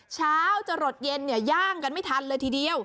เช้าจะหลดเย็นเนี่ยย่างกันไม่ทันเลยทีเดียว